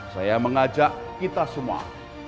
saya mengajak kita semua